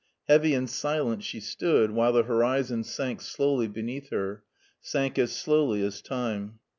Heavy and silent she stood, while the horizon sank slowly beneath her, sank as slowly as time.